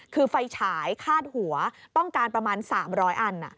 คือไฟฉายคาดหัวต้องการประมาณ๓๐๐อัน